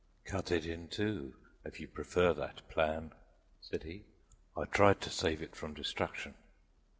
"Cut it in two if you prefer that plan," said he; "I tried to save it from destruction."